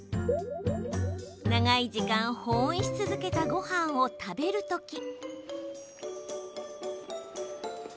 長い時間保温し続けたごはんを食べるとき。